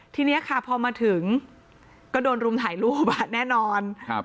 ทีนี้ค่ะพอมาถึงก็โดนรุมถ่ายรูปอ่ะแน่นอนครับ